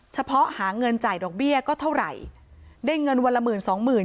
เฉพาะหาเงินจ่ายดอกเบี้ยก็เท่าไหร่ได้เงินวันละหมื่นสองหมื่น